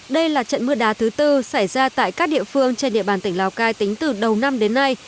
đây là trận mưa đá thứ tư xảy ra tại các địa phương trên địa bàn tỉnh lào cai tính từ đầu năm đến nay